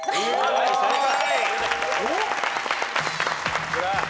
はい正解。